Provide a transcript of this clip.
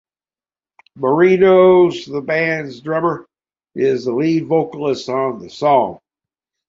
Marinos, the band's drummer, is the lead vocalist on the song.